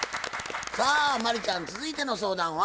さあ真理ちゃん続いての相談は？